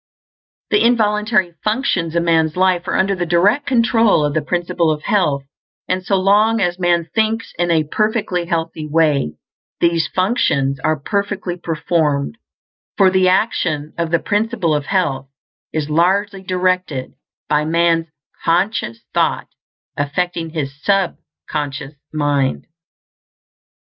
The involuntary functions of man's life are under the direct control of the Principle of Health, and so long as man thinks in a perfectly healthy way, these functions are perfectly performed; for the action of the Principle of Health is largely directed by man's conscious thought, affecting his sub conscious mind.